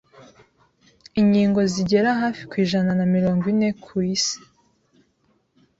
Inkingo zigera hafi kuri ijana na mirongo ine ku isi